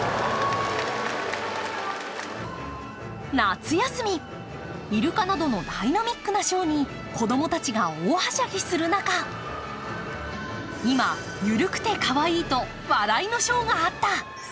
夏休み、いるかなどのダイナミックなショーに子供たち大はしゃぎする中、今、ゆるくてかわいいと話題のショーがあった。